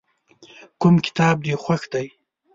کوم کتاب دې خوښ دی؟